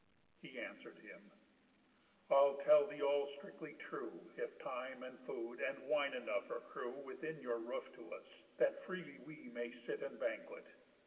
He answer'd him: "I'll tell all strictly true, If time, and food, and wine enough, accrue Within your roof to us, that freely we May sit and banquet.